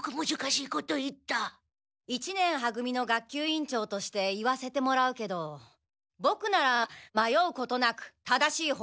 一年は組の学級委員長として言わせてもらうけどボクなら迷うことなく正しいほうを選ぶ。